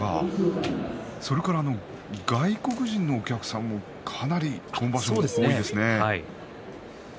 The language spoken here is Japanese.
それから外国人のお客さんも、かなり今場所は多いですね。